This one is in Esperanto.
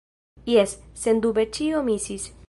Jes, sendube ĉio misis.